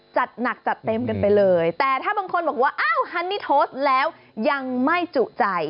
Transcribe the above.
จัดหนักจัดเต็มกันไปเลยแต่ถ้าบางคนบอกว่าอ้าวฮันนี่โพสต์แล้วยังไม่จุใจ